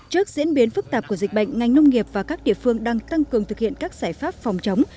trước diễn biến phức tạp của dịch bệnh ngành nông nghiệp và các địa phương đang tăng cường thực hiện các giải pháp phòng chống